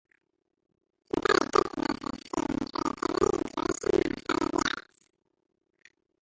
Synthetic giftedness is seen in creativity, intuition, and a study of the arts.